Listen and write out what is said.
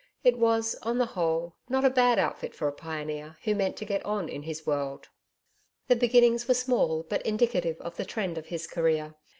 It was on the whole not a bad outfit for a pioneer who meant to get on in his world. The beginnings were small, but indicative of the trend of his career.